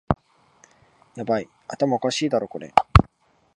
ヤバい、頭おかしいだろこれ